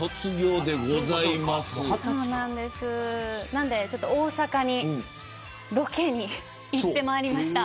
なので大阪にロケに行ってまいりました。